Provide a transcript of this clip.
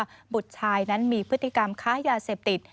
บุตรชายนั้นมีพฤติกรรมค้ายาเสพติด